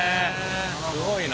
すごいな。